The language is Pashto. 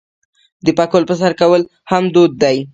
د پکول په سر کول هم دود دی.